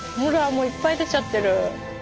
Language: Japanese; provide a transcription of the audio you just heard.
もういっぱい出ちゃってる。